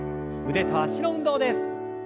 腕と脚の運動です。